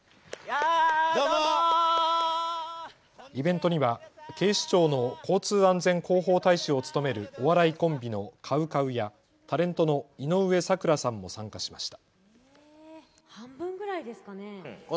イベントには警視庁の交通安全広報大使を務めるお笑いコンビのＣＯＷＣＯＷやタレントの井上咲楽さんも参加しました。